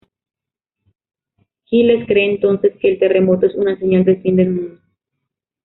Giles cree entonces que el terremoto es una señal del fin del mundo.